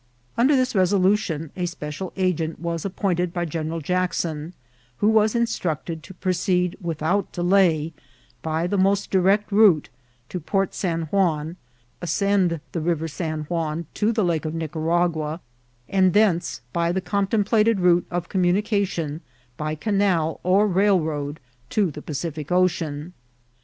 '' Under this resolution a special agent was appointed by General Jackson, who was instructed to proceed without delay by the most direct route to Port San Juan, ascend the River San Juan to the Lake of Nica* ragua, and thence by the contemplated route of com munication, by canal or railroad, to the Pacific Ocean.